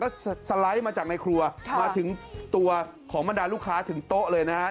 ก็สไลด์มาจากในครัวมาถึงตัวของบรรดาลูกค้าถึงโต๊ะเลยนะฮะ